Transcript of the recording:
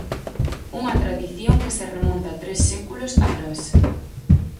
Unha tradición que se remonta tres séculos atrás.